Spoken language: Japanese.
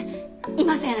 いません。